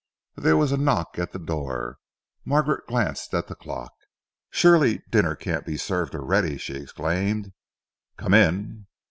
There was a knock at the door. Margaret glanced at the clock. "Surely dinner can't be served already!" she exclaimed. "Come in."